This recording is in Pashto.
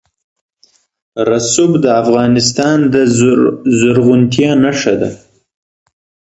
رسوب د افغانستان د زرغونتیا نښه ده.